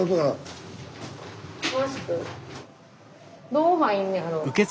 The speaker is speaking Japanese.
どう入んのやろ？